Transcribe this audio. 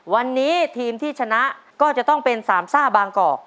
วันนี้ทีมที่ชนะก็จะต้องเป็นสามซ่าบางกอก